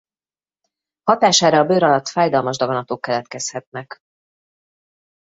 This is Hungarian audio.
Hatására a bőr alatt fájdalmas daganatok keletkezhetnek.